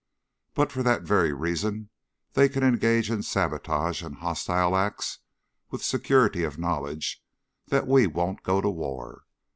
But for that very reason they can engage in sabotage and hostile acts with security of knowledge that we won't go to war.